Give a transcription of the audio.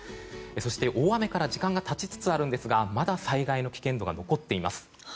そして、大雨から時間が経ちつつあるんですがまだ災害の危険度が残っています。